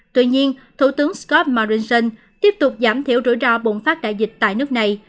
tuy nhiên thủ tướng scott morrison tiếp tục giảm thiểu rủi ro bùng phát đại dịch tại nước này